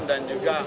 dan juga pabrik bim